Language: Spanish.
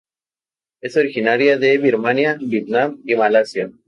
Es originaria de Birmania, Vietnam y Malasia.